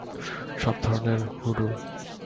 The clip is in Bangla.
সব ধরনের হুডুর।